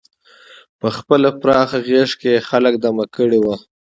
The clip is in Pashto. په خپله پراخه غېږه کې یې خلک دمه کړي وو.